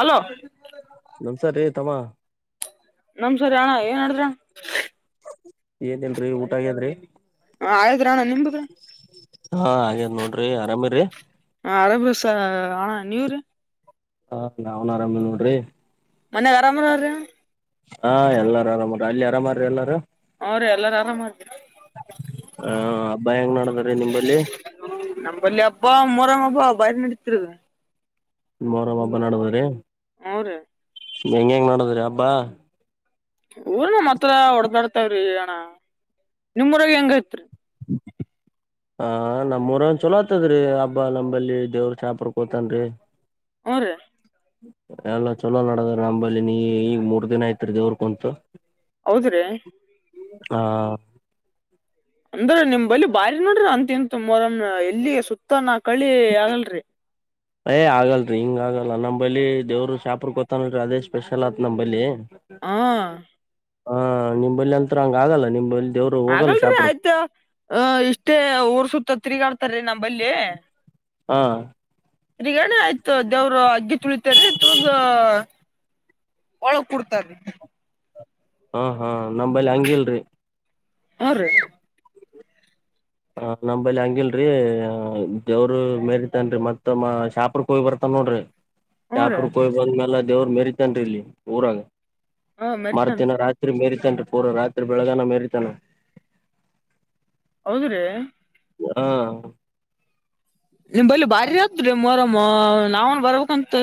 Hello ನಮ್ಸಾರೀ ತಮ್ಮ ನಮ್ ಸರಿ ಅಣ್ಣ ಏನ್ ಆಡಿದ್ರಿ ಅಣ್ಣ ಏನಿಲ್ರಿ ಊಟಾಗ್ಯದ್ರಿ ಹ ಆಯಿದ್ರಣ್ಣ ನಿಮ್ದು ಹಾ ಹಾಗೇದ್ ನೋಡ್ರಿ ಆರಾಮಿರಿ ಹಾ ಅರಬ್ಸ ಹಣ ನೀವ್ರ [unintelligible] ಹಾ ನಾವ್ ಆರಾಮ ನೋಡ್ರಿ ಮನೆ ಆರಾಮ್ ಆಗವ್ರಿ ಹಾ ಎಲ್ಲಾರು ಆರಾಮ ಅಲ್ಲಿ ಆರಾಮಾರೀ ಎಲ್ಲಾರು ಹು ರೀ ಎಲ್ಲಾರು ಆರಾಮಿ ಹ ಹಬ್ಬಾ ಹೆಂಗ ನೋಡದ್ರ ನಿಮ್ಮಲ್ಲಿ ನಂಬಲ್ಲಿ ಹಬ್ಬ ಮೊರಮ್ಮ ಹಬ್ಬ ಬಾರಿ ನಡೀತಿರುದು ಮರ ಹಬ್ಬ ನಡೆದದ್ರಿ ಹು ರೀ ಹೆಂಗ ಹೆಂಗ್ ಮಾಡದ್ರಿ ಹಬ್ಬಾ ಊರನ ಮತ್ರ ಹೊಡ್ದಾಡ್ತವ್ರಿ ಅಣ್ಣ ನಿಮ್ ಊರಾಗ್ ಹೆಂಗೈತ್ರಿ ಹ ಹ ನಮ್ೂರ ಒಂದ್ ಚಲೋ ಆತದ್ರೀ ಹಬ್ಬಾ ನಮ್ಮಲ್ಲಿ ದೇವ್ರ ಚಾಪರ್ ಕೋತನ್ರಿ ಹು ರೀ ಎಲ್ಲ ಚಲೋ ನಡದ್ರ ನಂಬಲ್ಲಿ ನೀ ಈಗ ಮೂರ್ ದಿನ ಆಯಿತ್ರಿ ದೇವ್ರ ಕುಂತು ಹೌದ್ರೀ ಹಾ ಅಂದ್ರ ನಿಮ್ ಬಳ ಬಾರಿ ನೋಡ್ರಿ ಅಂತ ಇಂತ ಮರ ಎಲ್ಲಿ ಸುತ್ತ ನ ಕಳಿ ಆಗಲ್ರಿ ಏ್ ಆಗಲ್ರಿ ಹಿಂಗ ಆಗಲ್ಲ ನಮ್ಮ ಬಳಿ ದೇವ್ರು ಶಾಪರ್ ಕೋತಾನಲ್ರಿ ಅದೇ ಸ್ಪೆಷಲ್ ಆತ್ ನಮ್ಮ ಬಳಿ ಹಾ ಹ ನಿಂಬಲ್ಲಿ ಅಂತರ ಹಂಗ ಆಗಲ್ಲ ನಿಂಬಲ್ಲಿ ದೇವ್ರು ಹೋಗಲ್ಲ ಹಾಗಲ್ರಿ ಶಾಪುರ್ ಆಯ್ತು ಇಷ್ಟೇ ಊರ್ ಸುತ್ತ ತಿರುಗಾಡ್ತಾರೀ ನಮ್ಮಲ್ಲಿಿ ಹಾ ರಿಗಣ ಆಯ್ತು ದೇವರು ಅಗ್ಗಿ ತುಳಿತರಿಂದು ತೂಗು ಒಳಗ್ ಕುಡ್ತಾರೀ ಹಾ ಹಾ ನಂಬಲ್ಲಿ ಹಂಗಿಲ್ರಿ ಅವ ರೀ ಹ ನಮಂಬಲ್ಲಿ ಹಂಗಿಲ್ರರಿ ದೇವರು ಮೇರಿತನ್ರಿ ಮತ್ ಮಾ ಶಾಪುರ್ ಕೋಗಿ ಬರ್ತನ್ ನೋಡ್ರಿ ಹ್ಞೂ ರೀ ಯಾಕ್ರ ಕಯ್ ಬಂದ್ಮ್ಯಾಲ ದೇವ್ರ ಮೆರಿತನ್ರಿ ಇಲ್ಲಿ ಊರಾಗ ಹಾ ಮರಿತಾನ ಮಾರ್ತನ ರೀ ರ ತ್ರಿ ಮೀರಿತನ್ರಿ ಪೂರ ರಾತ್ರಿ ಬೆಳಗನ ಮರಿತಾನ ಹೌದು ರೀ ಹ್ ನಿಮ್ ಬಲ್ಲಿ ಬಾರಿ ಆತದ್ರೀ ಮೋರಮ್ಮ ನಾವುನ್ ಬರ್ಬೇಕಂತ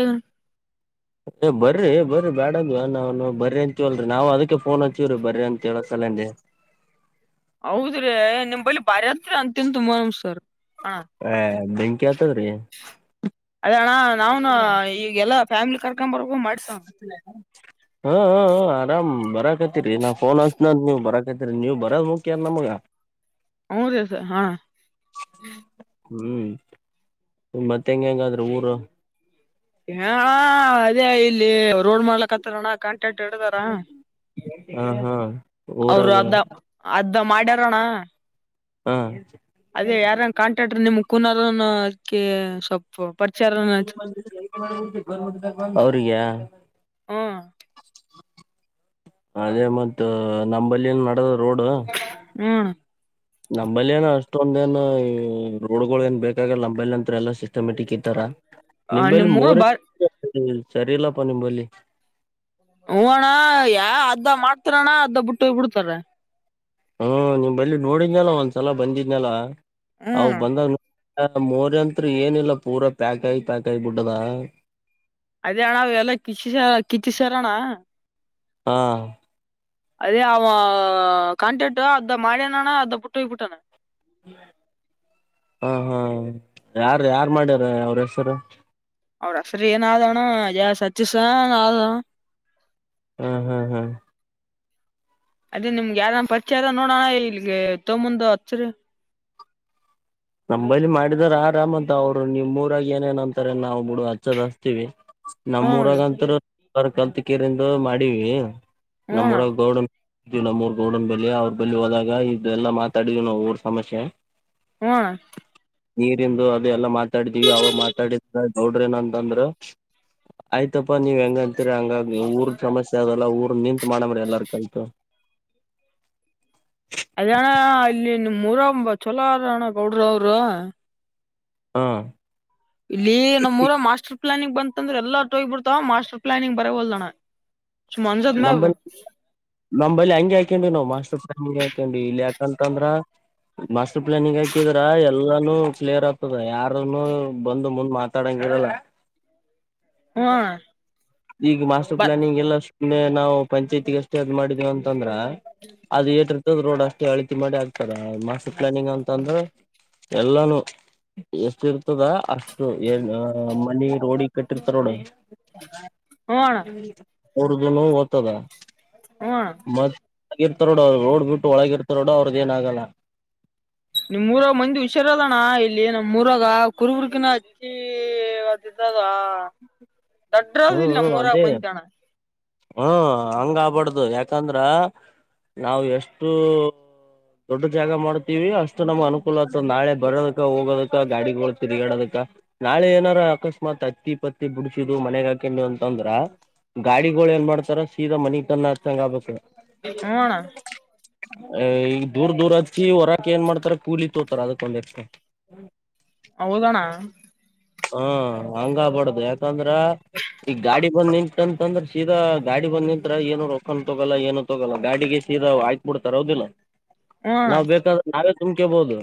ಏ ಬರ್ರಿ ಬರ್ರಿ ಬ್ಯಾಡಂದಿವನ ನಾವುನು ಬರ್ರಿ ಅಂತೀವಲ್ರಿ ನಾವ್ ಅದಕ್ಕೆ ಫೋನ್ ಹಚ್ಚಿವ್ರಿ ಬರ್ರಿ ಅಂತ ಹೇಳ್ ಸಲೆಂದೆ [inaudible] ಹೌದ್ರಿ ನಿಮ್ ಬಲಿ ಬಾರಿ ಹಾತ್ರಿ ಅಂತಿಂತು ಮೋರಂ ಸರ್ ಹ ಏ ಬೆಂಕಿ ಕಿ ಆತದ್ರಿ ಅದೆ ಅಣ್ಣ ನಾವ್ನು ಈಗ ಎಲ್ಲಾ ಫ್ಯಾಮಿಲಿ ಕರ್ಕ್ಂಬರಬೇಕಂತ್ ಮಾಡ್ಸಿವಣ್ಣ [inaudible] ಹ್ ಹ್ ಹ್ ಆರಾಮ್ ಬರಕತಿರಿ ನಾ ಫೋನ್ ಹಚ್ಚತ್ನಂನ ನೀವ್ ಬರಕತಿರಿ ನೀವ್ ಬರೋದ ಮುಖ್ಯಾದ್ ನಮಗ [inaudible] ಹ್ಮ್ ರೀ ಸರ್ ಹಾ ಹ್ಮ್ ಮತ್ತೆ ಹೆಂಗ ಹೆಂಗಾದ್ರಿ ಊರು ಏ ಅಣ್ಣ ಅದೇ ಇಲ್ಲಿ ರೋಡ್ ಮಾಡ್ಲಕತ್ತಾರಣ ಕಾಂಟ್ಯಾಕ್ಟರ್ ಇಡದಾರ ಹಾ ಹಾ ಅವರು ಊರಾಗ ಅದ ಅದ್ ಮಾಡ್ಯಾರಣ ಹ್ಮ್ ಅದೇ ಯಾರನ್ನ ಕಾಂಟ್ರಾಕ್ಟರ್ರ ನಿಮ್ ಕುನಾರನ್ ಅದ್ಕೇ ಸ್ವಲ್ಪ ಪರಿಚಯ ಅವ್ರಿಗ್ಯಾ ಹ್ಮ್ ಅದೇ ಮತ್ತ್ ನಂಬಲ್ಲಿನ್ ನಡದದ್ ರೋಡ್ ಹ್ಮ್ ಅಣ್ಣ ನಂಬಲ್ಲಿ ಏನ ಅಷ್ಟೊಂದ ಏನು ರೋಡ್ಗಳು ಏನ್ ಬೇಕಾಗಲ್ಲ ನಂಬಲ್ಲಿ ಅಂತರ್ ಎಲ್ಲಾ ಸಿ ಮೆಟಿಕ್ ಈ ತರ ನಿಂಬಲ್ಲಿ ನಿಮ್ ಊರು ಮೂರಿ ಬಾರಿ ಸರಿ ಇಲ್ಲಪ್ಪ ನಿಂಬಲ್ಲಿ ಹ್ಮ್ ಅಣ್ಣ ಯಾ ಅದ್ದ ಮಾಡ್ತಾರಣ ಅದ್ದ ಬುಟ್ಟ ಹೋಗ್ ಬಿಡ್ತಾರ ಹ್ಮ ನಿಮ್ಮಬಲ್ಲಿ ನೋಡಿದ್ನಲ್ಲ ಒಂದ್ಸಲ ಬಂದಿದ್ನಲ್ಲ ಹ್ಮ್ ಅವಾಗ್ ಬಂದಾಗ ಹ ಮೋರಿ ಅಂತರ್ ಏನಿಲ್ಲಾ ಪೂರಾ ಪ್ಯಾಕ್ ಆಗಿ ಪ್ಯಾಕ್ ಆಗಿ ಬುಟ್ಟದ್ ಅದೇ ಅಣ್ಣ ಅವ್ ಎಲ್ಲ ಕಿತ್ತಿಸ ಕಿತ್ತಸೆರಣ್ಣ ಹಾ ಅದೇ ಅವ ಕಾಂಟಾಕ್ಟ್ ಅದ್ದ ಮಾಡ್ಯನಣ ಅದ್ದ ಬುಟ್ಟ ಹೋಗಬಿಟ್ಟನ್ ಹ ಹಾ ಯಾರ ಯಾರ್ ಮಾಡ್ಯಾರ ಅವ್ರ ಹೆಸರು ಅವರ ಹೆಸರಿ ಏನ್ ಆದಣ್ಣ ಸಚೀಸ ಏನ್ ಆದಣ್ಣ ಹ್ಮ್ ಹ್ಮ್ ಹ್ಮ್ ಅದೇ ನಿಮ್ಗ ಯಾರನ್ ಪರಿಚಯದ ನೋಡೋಣ ಇಲ್ಲಿಗಿ ತೊಮ್ಮಂದ್ ಹಚ್ಚರಿ ನಮ್ಮಂಬಲ್ಲಿ ಮಾಡಿದಾರ ಆರಾ ಮತ್ತ ಅವ್ರು ನಿಮ್ ಊರಾಗ ಏನೇನ್ ಅಂತಾರೇನ್ ನಾವು ಬುಡು ಹಚ್ಚದ್ ಹಚ್ತಿವಿ ಹ್ಞೂ ರೀ ನಮ್ಮೂರಾಗಂತರು ಕಲ್ತ್ಕೇರಿಂದು ಮಾಡೀವಿ ಹ್ಞೂ ಅಣ್ಣ ನಮ್ಮೂರಾಗ ಗೌಡ ಹೋಗಿದಿವಿ ನಮ್ಮ್ ಊರ್ ಗೌಡನ ಬಲಿ ಅವ್ರ ಬಲಿ ಹೋದಾಗ ಇದೆಲ್ಲಾ ಮಾತಾಡಿದಿವ್ ನಾವು ಊರ್ ಸಮಸ್ಯೆ ಹ್ಮ್ ಅಣ್ಣ ನೀರಿಂದು ಅದು ಎಲ್ಲಾ ಮಾತಾಡಿದೀವಿ ಅವಾಗ ಮಾತಾಡಿದ್ರ ಗೌಡ್ರ ಏನಂತಂದ್ರ ಆಯ್ತಪ್ಪಾ ನೀವ್ ಹೆಂಗ ಅಂತೀರಿ ಹಂಗ ಊರ್ ಸಮಸ್ಯೆ ಅದಲ್ಲ ಊರ್ ನಿಂತ್ ಮಾಡಮ್ರಿ ಎಲ್ಲಾರ್ ಕಲ್ತ್ ಅದೆ ಅಣ್ಣ ಇಲ್ಲಿ ನಿಮ್ ಊರಾಗ ಚಲೋ ಆರ ಅಣ್ಣ ಗೌಡರು ಅವರು ಹಾ ಇಲ್ಲಿ ನಮ್ಮ್ ಊರ ಮಾಸ್ಟರ್ ಪ್ಲಾನಿಂಗ ಬಂತಂದ್ರ ಎಲ್ಲಟ್ಟ ಹೋಗಿ ಬಿಡ್ತವ್ ಮಾಸ್ಟರ್ ಪ್ಲಾನಿಂಗ್ ಬರವಲ್ದಣ್ಣ ಸುಮ್ ಅನ್ಸದ್ ನಮ್ಮ ಮ್ಯಾಗ ಬಲಿ ನಮ್ಮ ಬಲಿ ಹಂಗೆ ಆಕಂಡಿವ ನಾವ್ ಮಾಸ್ಟರ್ ಪ್ಲಾನಿಂಗ್ ಹಾಕಂಡಿ ಇಲ್ಲ ಯಾಕಂತಂದ್ರ ಮಾಸ್ಟರ್ ಪ್ಲಾನಿಂಗ್ ಹಾಕಿದ್ರ ಎಲ್ಲಾನೂ ಕ್ಲಿಯರ್ ಆಗ್ತದ ಯಾರನು ಬಂದು ಮುಂದ್ ಮಾತ ತಡಂಗಿರಲ್ಲ ಹು ಹಾ ಈಗ ಮಾಸ್ಟರ್ ಪ್ಲಾನಿಂಗ್ ಎಲ್ಲ ಸುಮ್ಮೆ ನಾವು ಪಂಚಾಯತಿಗೆ ಅಷ್ಟೇ ಅದು್ ಮಾಡಿದೇವ ಅಂತಂದ್ರ ಅದ ಏಟಿರ್ತದ ರೋಡ್ ಅಷ್ಟೇ ಅಳತಿ ಮಾಡಿ ಆಗ್ತದ ಮಾಸ್ಟರ್ ಪ್ಲಾನಿಂಗ್ ಅಂತ ಅಂದ್ರ ಎಲ್ಲಾನು ಎಷ್ಟ ಇರ್ತದ ಅ ಮನಿ ರೋಡಿ ಕಟ್ಟಿರ್ತಾರ ನೋಡಿ ಹ್ಮ್ ಅವ್ರಗನು ಓದ್ತದ ಹ ಮತ್ತಗಿರ್ತಾರೋಡು ಅವ್ರು ರೋಡ್ ಬಿಟ್ಟು ಒಳಗ ಇರ್ತಾರೋಡು ಅವ್ರದ ಏನಾಗಲ್ಲ ನಿಮ್ ಊರಾಗ ಮಂದಿ ಹುಷಾರ ಅದಣ್ಣ ಇಲ್ಲಿ ನಮ್ ಊರಾಗ ಕುರ್ಬುರ್ಗಿನ ಹಕಿ ಅದಿದ್ದಾಗವಾ [unintelligible] [unintelligible] ದಾಡ್ರು ಹ್ಮ್ ಹೌದಲ್ಲ ನಮ್ ಹ್ಮ್ ಊರಾಗ ಅದೇ ಮಂದಿ ಅಣ್ಣ ಹ್ಮ ಹಂಗ ಆಬಾರ್ದು ಯಾಕಂದ್ರ ನಾವು ಎಷ್ಟು ದೊಡ್ಡ ಜಾಗ ಮಾಡ್ತೀವಿ ಅಷ್ಟು ನಮ್ ಅನುಕೂಲ ನಾಳೆ ಬರೋದಕ ಹೋಗೋದಕ ಗಾಡಿ ತಿರುಗಾಡೋದಕ್ಕ ನಾಳೆ ಏನಾರ ಅಕಸ್ಮಾತ್ ಅತ್ತಿ ಪತ್ತಿ ಬಿಡಸಿದು ಮನೆಗಾಗ ಅಂತಂದ್ರ ಗಾಡಿಗಳು ಏನ್ ಮಾಡ್ತಾರ ಸೀದಾ ಮನಿಗ್ ತಂದ್ ಚಂಗಾ ಬಕ್ಕೆ ಹ್ಮ ಅಣ್ಣ [unintelligible] ಅ ಈ ದೂರ್ ದೂರ ಹದಕಿ ಹೊರಾಕ ಏನ್ ಮಾಡ್ತಾರ ಕೂಲಿ ತೋತಾರ ಅದಕ್ಕೊಂದೆಷ್ಟ ಹೌದಣ್ಣ ಹ್ಮ್ ಹಂಗ ಆಗ್ಬರ್ದು ಯಾಕಂದ್ರ ಈಗ ಗಾಡಿ ಬಂದ್ ನಿಂತಂತಂದ್ರ ಸೀದಾ ಗಾಡಿ ಬಂದ್ ನಿಂತ್ರ ಏನು ರೊಕ್ಕನ್ ತೊಗೋಲ್ಲ ಏನು ತೊಗೋಲ್ಲ ಗಾಡಿಗೆ ಸೀದಾ ಆಯ್ತ ಬಿಡ್ತಾರ ಹೌದಿಲ್ಲ ಹ್ಮ ಅಣ್ಣ ನಾವ್ ಬೇಕಾದ್ರೆ ನಾವೇ ತುಂಬ್ಕೇಬಹುದು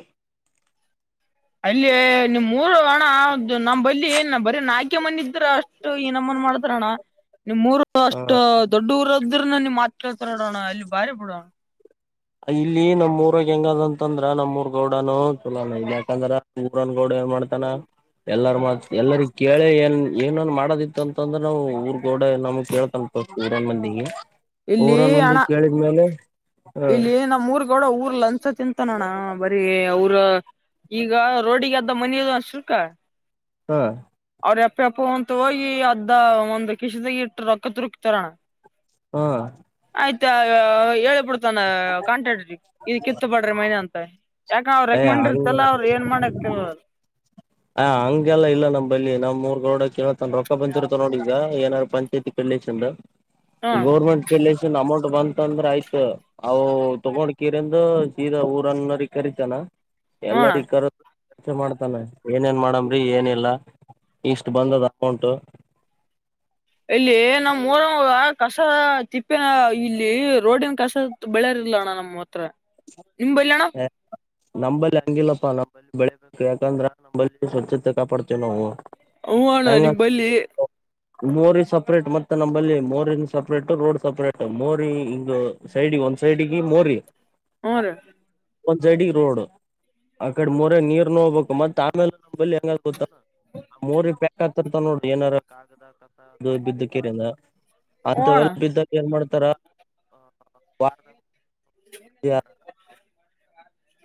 ಅಲ್ಲಿ ನಿಮ್ ಊರು ಹಣ ನಮ್ ಬಲ್ಲಿ ಏ ಬರ ಹಾಕ ಹಾಕೇಬಂದಿದ್ರೆ ಅಷ್ಟು ಏನಮ್ಮನ್ ಮಾಡತಾರಣ್ಣ ನಿಮ್ಮ್ ಊರು ಅಷ್ಟು ದೊಡ್ಡ ಊರದರು ನಿಮ್ ಮಾತ್ ಕೇಳ್ತಾರ ನೋಡೋಣ ಅಲ್ಲಿ ಬಾರಿ ಬಿಡೋಣ ಇಲ್ಲಿ ನಮ್ಮ್ ಊರಾಗ ಹೆಂಗದಂತಂದ್ರ ನಮ್ಮ್ೂರ್ ಗೌಡನು ಚಲೋಾನ ಇಲ್ಲ ಯಾಕಂದ್ರ ನಮ್ಮೂರನ್ ಗೌಡನು ಏನ್ ಮಾಡ್ತಾನ ಎಲ್ಲಾರ ಮಾತ್ ಎಲ್ಲರಿ ಕೇಳಿ ಏನ್ ಏನನ್ ಮಾಡೋದಿತ್ತು ಅಂತಂದ್ರೆ ನಾವು ಊರ್ ಗೌಡ ನಮಗ್ ಕೇಳ್ತ ಊರನ್ ಮಂದಿಗೆ ಇಲ್ಲಿ ಊರನ್ ಅಣ ಮಂದಿಗೆ ಕೇಳಿದ್ಮೇಲೆ ಹ ಇಲ್ಲಿ ನಮ್ಮ್ ಊರ್ ಗೌಡ ಊರ್ಲ್ಲ ಅನ್ಸ ತಿಂತನೋಣ್ಣ ಬರೀ ಅವರ ಈಗ ರೋಡಿಗೆ ಅದ್ದ ಮನದು ಒ ಶುಲ್ಕ ಹಾ ಅವ್ರ ಎಪ್ಪ ಎಪ್ಪ ಅಂತ ಹೋಗಿ ಅದ್ದ ಒಂದ್ ಕಿಶದಾಗ ಇಟ್ಟು ರೊಕ್ಕ ತುರುಕ್ತಾರಣ ಹ ಆಯ್ತಾ ಹೇಳಬಡ್ ಕಂಟಾಡ್ರಿ ಇದ ಕಿತ್ತು ಪಡ್ರಿ ಮೈನೆ ಅಂತ [unintelligible] ಯಾಕ ಅವ್ರ ಏ ರೆಕಮೆಂಡ್ ಹಂಗ ಇರ್ತಲ್ಲ ಅವರು ಏನ್ ಮಾಡಕ್ ಹ ಹಂಗೆಲ್ಲ ಇಲ್ಲ ನಮ್ಮಲ್ಲಿ ನಮ್ಮೊರ್ ಗೌಡ ಕೇಳ್ತಾನಾ ರೊಕ್ಕ ಬಂದಿರುತ್ತಾ ನೋಡಿ ಈಗ ಏನಾರು ಪಂಚಾಯತಿ. ಹ್ಮ ಕೆನ್ ಗೌರ್ಮೆಂಟ್ ಕೆಲ್ಲಸನ್ ಅಮೌಂಟ್ ಬಂತ ಅಂದ್ರೆ ಆಯ್ತ. ಅವು ತಗೊಂಡ ಕೀರಿಂದು ಸೀದಾ ಊರನ್ನ್ರ ಕರೀತಾನ. ಹ್ಮ ಎಲ್ಲರಿ ಕರದು ಚರ್ಚೆ ಮಾಡ್ತಾನೆ. ಏನೇನ್ ಮಾಡಮ್ರಿ ಏನಿಲ್ಲ ಇಷ್ಟು ಬಂದದ್ ಅಮೌಂಟ್. ಇಲ್ಲಿ ನಮ್ಮ್ ಮಊರಂಗ ಕಸ ತಿಪ್ಪಿನ ಇಲ್ಲಿ ರೋಡಿನ ಕಸ. ಬೆಳೆರ್ರ್ಲ ಅಣ್ಣ ನಮ್ಮ್ ಹತ್ರ ನಿಮ್ ಬೆಲ್ಲಣ್ಣ. ನಂಬಲ್ ಅಂಗಿಲ್ಲಪ್ಪ ನಂ ಬೆಳೆ ಬೇಕೆತಂದ್ರಾ ನಮ್ಮಲ್ಲಿ ಸ್ವಚ್ಛತೆ ಕಾಪಡ್ ತ್ತೇವೆ ನಾವು. ಹು ಅಣ್ಣ ಹೆಂಗ ನಿಂಬಲ್ಲಿ. ಮೋರಿ ಸಪ್ರೇಟ್ ಮತ್ತೆ ನಮ್ಮಲ್ಲಿ ಮೋರಿನ್ ಸಪ್ರೇಟ್ಟು ರೋಡ್ ಸಪ್ರೇಟ್ಟು ಮೋರಿ ಹಿಂಗು. ಸೈಡಿಗ್ ಒಂದ್ ಸೈಡಿಗೆ ಮೋರಿ. ಹುರೀ. ಒಂದ್ ಸೈಡಿಗ್ ರೋಡು ಆ ಕಡೆ ಮೊರ್ಯಗ್ ನೀರ್ ನೋಬೇಕು ಮತ್ತ್ ಆಮೇಲೆ ನಂಬಲ್ ಲೋ ತಮ್ಮ ಆ ಮೋರಿ ಪೆಟ್ [unintelligible] ಹ್ಮ್ ಅಣ್ಣ ಅಂತವೆಲ್ಲ ಬಿದ್ದಾಗ ಏನ್ ಮಾಡ್ತಾರ. [inaudible]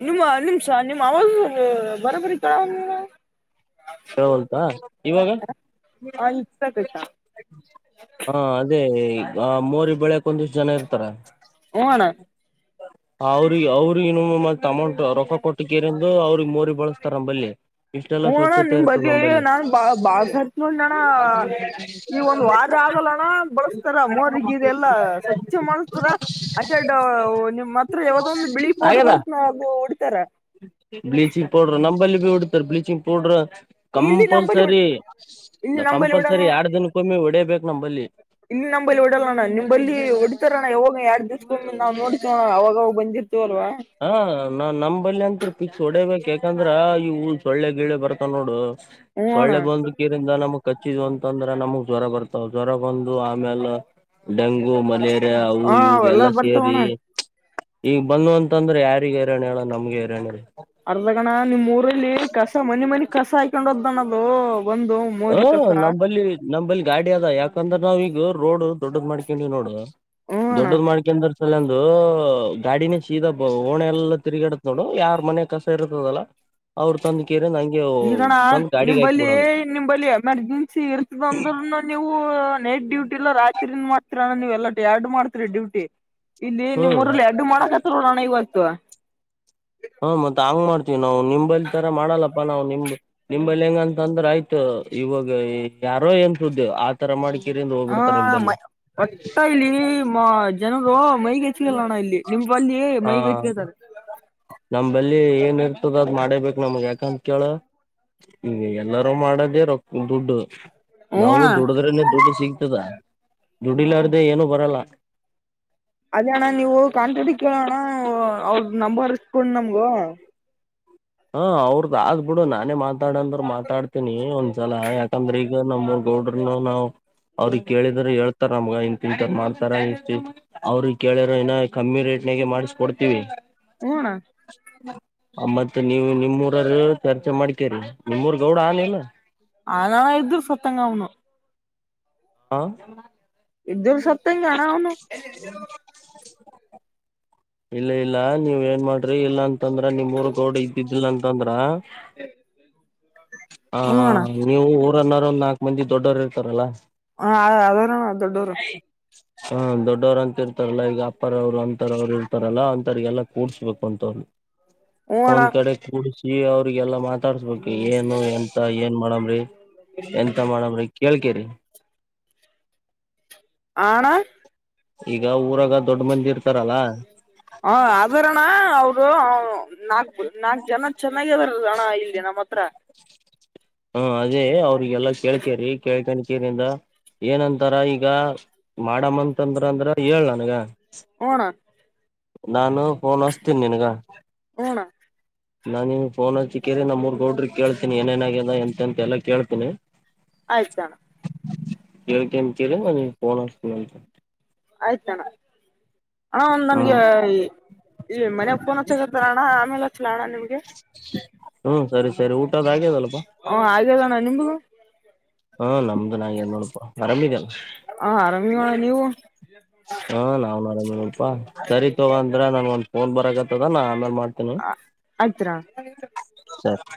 ನಿಮ್ಮ ನಿಮ್ಸ ನಿಮ್ಮಅವಾಜ್ ಬರಾಬರಿ ಕೇಳಕಿಲ್ಲ. [unintelligible] ಇವಾಗ. ಹಾ ಈಗ ಕೇಳತೈತ ಹಾ ಅದೇ ಆ ಮೋರಿ ಬೆಳ್ಯೋಕ್ ಒಂದ್ ಇಷ್ಟ್ ಜನ ಇರ್ತಾರೆ. ಹೊ ಅಣ್ಣ. ಅವ್ರಿ ಅವ್ರ ಇನ್ನು [unintelligible] ರೊಕ್ಕ ಕೊಟ್ಟಿ ಕೇರಿ. [unintelligible] ಅವ್ರಿಗೆ ಮೋರಿ ಬಳುಸ್ತಾರೆ ನಂಬಲ್ಲಿ ಇಷ್ಟೆಲ್ಲ ಸ್ವಚ್ಛತೆ. ನಿಮ್ಮ ಇರ್ತದೆ ಬಲ್ಲೀ ನಂಬಲ್ಲಿ ನಾನ್ ಬಾ ಬಾಳ ಹಚ್ಕೊಂಡಣ ಈ ಒಂದ್ ವಾರ ಆಗಲ್ಲಣ್ಣ ಬಳಸ್ತ್ [unintelligible] ಮೋರಿ ಗೀರಿ ಎಲ್ಲ ಸ್ವಚ್ಛ ಮಾಡಿಸ್ತಾರ ಹಾನ್ನೇರಡು ನಿಮ್ಮ್ ಹತ್ರ ಯಾವ್ದೋ ಒಂದು ಬಿಳಿ ಪೌಡರ್ ಆಗ್ಯದ ಬರ್ ನಾ ಗೋ ಉಡಿತಾರ. ಬ್ಲೀಚಿಂಗ್ ಪೌಡ್ರ ನಂಬಲ್ಲಿ ಬಿ ಉಡಿತಾರೆ ಬ್ಲೀಚಿಂಗ್ ಪೌಡ್ರು. ಇಲ್ಲಿ ನಂಬಲ್ಲಿ ಕಂಪಲ್ಸರಿ ಇಲ್ಲಿ ನಂಬಲ್ಲಿ ಹೊಡಲ್ಲಣ ಕಂಪಲ್ಸರಿ ಎರ ದಿನಕ್ಕೊಮ್ಮಿ ಒಡೇಬೇಕ್ ನಂಬಲ್ಲಿ. ಇಲ್ಲಿ ನಂಬಲ್ಲಿ ಹೊಡಯಲ್ಲಣ್ಣ ನಿಂಬಲ್ಲಿ ಹೊಡಿತ್ತರಣ್ಣ ಯಾವಾಗ ಎರ್ಡ್ ದಿವಸ್ ಕೊಮ್ಮೆ ನಾವ್ ನೋಡ್ತೀವಣ್ಣ ಅವಾಗಾಗ ಬಂದಿರ್ [unintelligible] ತೀವಲ್ವಾ. ಹಾ ನಾ ನಮ್ ಬಲ್ಲಿ ಅಂತ್ರು ಪಿಕ್ಸ್ ಹೊಡೇಬೇಕು ಯಾಕಂದ್ರ ಈ ಊ ಸೊಳ್ಳೆ ಗಿಳ್ಳೆ ಬರ್ತವ್ ನೋಡು. ಹೂ ಅಣ್ಣ ಸೊಳ್ಳೆ ಬಂದು ಕೀರಿಂದ ನಮಗ್ ಕಚ್ಚಿದ್ ಅಂತಂದ್ರ ನಮಗ್ ಜ್ವರ ಬರ್ತಾವ ಜ್ವರ ಬಂದು ಆಮ್ಯಲೇ. ಡೆಂಗು ಮಲೇರಿಯಾ ಅವು ಹಾ ಇವು ಅವೆಲ್ಲಾ ಎಲ್ಲ ಸೇರಿ. ಬರ್ತಾವಣ್ಣ ಈಗ ಬಂದ ಅಂತಂದ್ರೆ ಯಾರಿಗೆ ಹೈರಣ್ಯ ಹೇಳ ನಮ್ಗೆ ಹೈರಣ್ಯ. ಅರ್ದಗಣ ನಿಮ್ ಊರಲ್ಲಿ ಕಸ ಮನಿ ಮನಿ ಕಸ ಹಯಕೊಂಡೋದ್ದಣ ಅದು ಬಂದು. ಹ ಮೋರಿ ಕಸ ನಂಬಲ್ಲಿ ನಂಬಲ್ಲಿ ಗಾಡಿ ಅದ ಯಾಕಂದ್ರ ನಾವ ಈಗ ರೋಡ್ ದೊಡ್ಡದ್ ಮಾಡ್ಕೊಂಡಿವಿ ನೋಡು. ಹೂ ಅಣ್ಣ ದೊಡ್ಡದ್ ಮಾಡಕಡ್ [unintelligible] ಲ್ಲಂದು ಗಾಡಿನ ಚೀದ ಓಣ ಎಲ್ಲ ತಿರುಗಾಡತ್ ನೋಡು ಯಾರ್ ಮನೆ ಕಸ ಇರುತ್ತದಲ್ಲ. ಅವ್ರು ತಂದ ಕೇರೆ ನ ಈಗಣ ನಿಂಬಲ್ಲಿ ನಿಂಬಲ್ಲೀ ಯಮರ್ಜೆನ್ಸಿ ಇರ್ತದ ಅಂದ್ರುನು ನೀವು ನೈಟ್ ಡ್ಯೂಟಿ ಇಲ್ಲ ರ ಮಾಡ್ತೀರಣ ನೀ ಎಲ್ಲ ಎರಡ್ ಮಾಡ್ತೀರಿ ಡ್ಯೂಟಿ ಇಲ್ಲಿ ಹ್ಮ್ ನಿಮ್ಮ್ಊರಲ್ಲಿ ಎರಡು ಮಾಡಕ್ ನೋಡೋಣ ಇವತ್ತು. ಹ್ಮ ಮತ್ತ್ ಹಂಗ್ ಮಾಡ್ತೀವಿ ನಾವು ನಿಂಬಲ್ ತರ ಮಾಡಲ್ಲ. [unintelligible] ಪ್ಪ ನಾವು ನಿಮ್ ನಿಂಬಲ್ಲಿ ಹೆಂಗ ಅಂತ ಅಂದ್ರೆ ಆಯ್ತು ಇವಾಗ ಯಾರೋ [unintelligible] [unintelligible] ತರ ಮಾಡ್ಕೀರಿಂದು. ಹ ಮ ವಟ್ಟ ಇಲ್ಲಿ ಮ ಜನರು ಮೈಗೆ ಹೆಚ್ಕಲ್ಲಣ್ಣ ಇಲ್ಲಿ ನಿಮ್ ಅಲ್ಲಿಯ ಮೈಗೆ ಹಚ್ಕಳ್ತಾರೆ. ನಮ ಬಲ್ಲಿ ಏನ್ ಇರ್ತದ ಅದ್ ಮಾಡೇಬೇಕ್ ನಮಗ್ ಯಾಕಂತ ಕೇಳು. ಈ ಎಲ್ಲಾರೂ ಮಾಡದೇ ರೊ ದುಡ್ಡು. ಹ್ಮ ನಾವು ಅಣ್ಣ ದುಡದ್ರೇನೆ ದುಡ್ಡು ಸಿಗ್ತದ ದುಡ್ಡಿಲಾರ್ದೇ ಏನು ಬರಲ್ಲ. ಅದೇ ಅಣ್ಣ ನೀವು ಕಾಂಟ್ರಾಕ್ಟ್ ಕೇಳೋಣ ಅವ್ರ ನಂಬರ್ ಇಸ್ಕೊಂಡ್ ನಮ್ಗು. ಹ್ ಅವ್ರದೂ ಆದ್ಡ್ ಬುಡು ನಾನೇ ಮಾತಾಡಂದ್ರೆ ಮಾತಾಡ್ತೀನಿ ಒಂದ್ಸಲ ಯಾಕಂದ್ರೆ ಈಗ ನಮ್ ಗೌಡ್ರನು ನಾವ್ ಅವ್ರಗ್ ಕೇಳಿದ್ರೆ ಹೇಳ್ತಾರ ನಮ್ಗ ಇನತಿಂತ ಮಾಡ್ತಾರೆ ಇಷ್ಟ್ ಅವರಿಗೆ ಕೇಳಿರೆ ಇನ್ನ ಕಮ್ಮಿ ರೇಟ್ನಾಗೆ ಮಾಡಿಸಿ ಕೊಡ್ತೀವಿ. ಹ್ಮ್ ಅಣ್ಣ ಮತ್ ನೀವ್ ನಿಮ್ಮೂರೊರು ಚರ್ಚೆ ಮಾಡ್ಕೇರಿ ನಿಮ್ಮೂರ್ ಗೌಡ ಹನ್ ಇಲ್ಲ. ಅಣ್ಣ ಇದ್ರೂ ಸತ್ತಂಗೆ ಅವನೂ. ಹಾ ಇದ್ರೂ ಸತಂಗೆ ಅಣ್ಣ ಅವನು. [unintelligible] ಇಲ್ಲ ಇಲ್ಲ ನೀವ್ ಏನ್ ಮಾಡ್ರಿ ಇಲ್ಲ ಅಂತಂದ್ರೆ ನಿಮ್ಮೂರ್ ಗೌಡ ಇದ್ದಿದ್ದಿಲ್ಲ ಅಂತಂದ್ರೆ ಎ [unintelligible] ಹ ನೀವು ಊರನ್ನೋರ್ ಒಂದ್ ನಾಲ್ಕ್ ಮಂದಿ ದೊಡ್ಡೋರು ಇರ್ತಾರಲ್ಲಾ. ಹ ಅದೇರೆ ದೊಡ್ಡೊರು. ಹಾ ದೊಡ್ಡೊವರ ಅಂತ ಇರ್ತಾರಲ್ಲಾ ಈಗ ಅಪ್ಪರವ್ರು ಅಂತರವ್ರು ಇರ್ತಾರಲ್ಲ ಅಂತವರಿಗೆಲ್ಲ ಕೂಡ್ಸ್ಬೇಕು ಅಂತವ್ರುನ ಹ್ಮ ಒಂದ್ ಅಣ್ಣ ಕಡೆ ಕೂಡ್ಸಿ ಅವ್ರಿಗೆಲ್ಲಾ ಮಾತಾಡ್ಸ್ಬೇಕು ಈಗ್ ಇ ಎಂತ ಏನ್ ಮಾಡಮ್ರಿ ಎಂತ ಮಾಡಮ್ರಿ ಕೇಳ್ಕೇರಿ. ಅಣ್ಣ ಈಗ ಊರಾಗ ದೊಡ್ಡ ಮಂದಿ ಇರ್ತಾರಲ್ಲಾ. ಅ ಅದರಣ್ಣ ಅವರು ಅ ನಾಕ್ ನಾಕ್ ಜನ ಚೆನ್ನಾಗೆ ಇದ್ದಾರಣ್ಣ ಇಲ್ಲಿ ನಮ್ಮ್ ಹತ್ರ ಹಾ ಅದೇ ಅವ್ರಿಗೆಲ್ಲ ಕೇಳ್ಕೇರಿ ಕೇಳ್ಕನ್ ಕೀರಿಂದ ಏನಂತಾರ ಈಗ ಮಾಡಮ್ಮಂತಂದ್ರೆ ಹೇಳ್ ನನ್ಗ ಹೂ ಅಣ್ಣ ನಾನು ಪೋನ್ ಹಸ್ತೀನಿ ನಿನಗ. ಹಣ ನಾನ್ ನಿನ್ ಪೋನ್ ಹಚ್ಚಿಕೇರಿ ನಮ್ಮ ಮೂರ್ ಗೌಡ್ರಿಗೆ ಕೇಳ್ತೀನಿ ಏನೇನಾಗದೆ ಎಂತಂತ ಎಲ್ಲ ಕೇಳ್ತೀನಿ. ಆಯ್ತ್ ಅಣ್ಣ ಕೇಳ್ನ್ ಕೆೇಳಿ ನಾನ್ ನಿನಗ‌ ಪೋನ್ ಹಚ್ಚತ್ತೀನಿ. ಆಯ್ತಣ್ಣ ಅಣ್ಣ ಒಂದ್ ನನ್ಗೆ ಹ್ಮ್ ಈ ಮನೆಗೆ ಪೋನ್ ಅಚ್ಚಗತಾರ ಅಣ್ಣ ಆಮೇಲೆ ಹಚ್ಚಲ ಅಣ್ಣ ನಿಮ್ಗೆ ಹ್ಮ್ ಸರಿ ಸರಿ ಊಟದ ಆಗ್ಯದಲ್ಲಪ್ಪ. ಹೂ ಆಗ್ಯಾದಣ್ಣ ನಿಮ್ದು. ಹೂ ನಮ್ದು ಆಗ್ಯಾದ್ ನೋಡಪಾ ಆರಾಮಿದಲ್ಲ ನೀನ್ ಹ ಆರಾಮ್ ಇವಣ್ಣ ನೀವು. ಹೂ ನಾವ್ ಆರಾಮ್ ಸರಿ ತಗೊ ಅಂದ್ರೆ ನನ್ಗ ಒಂದು ಪೋನ್ ಬರಕತ್ತದ ನಾ ಆಮೇಲ್ ಮಾಡ್ ಅತ್ರ್ ಸರಿ